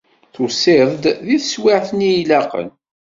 Tusiḍ-d deg teswiɛt-nni ilaqen.